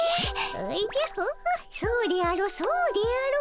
おじゃホホそうであろうそうであろう。